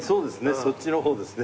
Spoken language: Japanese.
そっちの方ですね。